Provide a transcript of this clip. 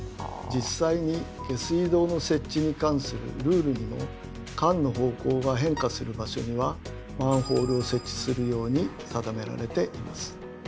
実際に下水道の設置に関するルールにも管の方向が変化する場所にはマンホールを設置するように定められています。